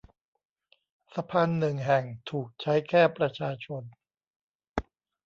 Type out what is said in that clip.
สะพานหนึ่งแห่งถูกใช้แค่ประชาชน